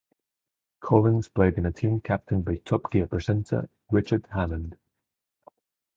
Collins played in a team captained by "Top Gear" presenter Richard Hammond.